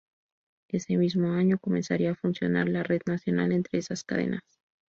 Ese mismo año comenzaría a funcionar la red nacional entre esas cadenas.